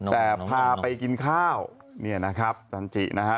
แต่พาไปกินข้าวเนี่ยนะครับจันจินะฮะ